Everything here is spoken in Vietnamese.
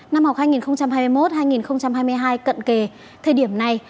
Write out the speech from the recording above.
năm học hai nghìn hai mươi một hai nghìn hai mươi hai cận kề thời điểm này